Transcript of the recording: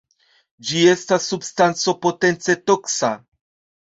Ĝi estas substanco potence toksa.